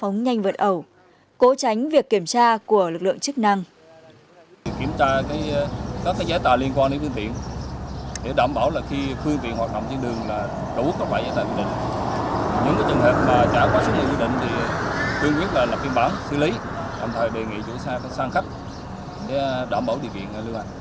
nhiều xe vì hoạt động chui đã phóng nhanh vượt ẩu cố tránh việc kiểm tra của lực lượng chức năng